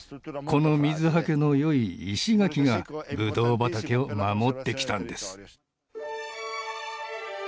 この水はけのよい石垣がブドウ畑を守ってきたんです